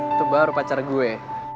itu baru pacar gue